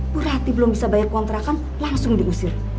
bu rati belum bisa bayar kontrakan langsung diusir